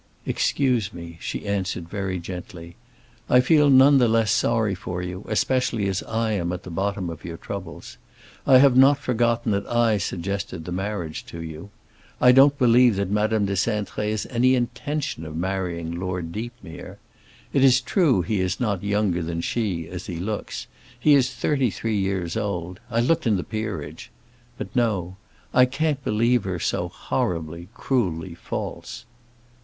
"Excuse me," she answered very gently. "I feel none the less sorry for you, especially as I am at the bottom of your troubles. I have not forgotten that I suggested the marriage to you. I don't believe that Madame de Cintré has any intention of marrying Lord Deepmere. It is true he is not younger than she, as he looks. He is thirty three years old; I looked in the Peerage. But no—I can't believe her so horribly, cruelly false."